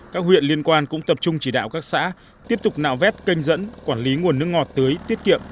các huyện liên quan cũng tập trung chỉ đạo các xã tiếp tục nạo vét kênh dẫn quản lý nguồn nước ngọt tưới tiết kiệm